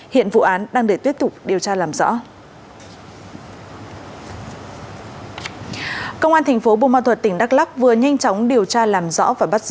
hiện vụ án đang được tiếp tục điều tra làm rõ